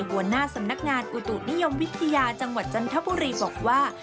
หัวหน้าสำนักงานอุตุนิยมวิทยาจังหวัดจันทบุรีบอกว่า